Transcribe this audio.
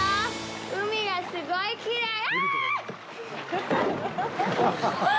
海がすごいきれいあっ！！